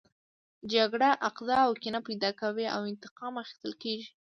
جګړه عقده او کینه پیدا کوي او انتقام اخیستل کیږي